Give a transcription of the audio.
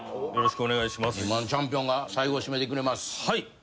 はい。